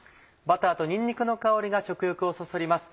バターとにんにくの香りが食欲をそそります。